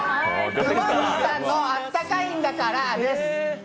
クマムシさんの「あったかいんだからぁ」です。